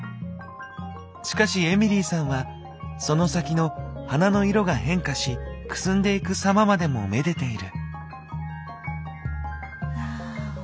しかしエミリーさんはその先の花の色が変化しくすんでいく様までも愛でている。